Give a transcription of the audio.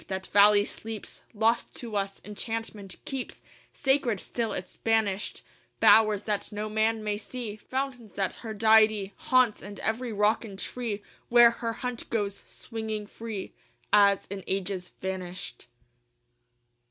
That valley sleeps Lost to us: enchantment keeps Sacred still its banished Bowers that no man may see, Fountains that her deity Haunts, and every rock and tree Where her hunt goes swinging free As in ages vanished.